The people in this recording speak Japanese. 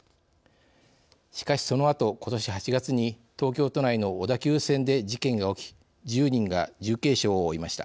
しかしそのあとことし８月に東京都内の小田急線で事件が起き１０人が重軽傷を負いました。